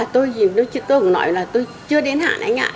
tôi cũng nói là tôi chưa đến hạn anh ạ